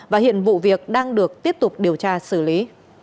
và hiện vụ việc đang được tiếp tục điều tra xử lý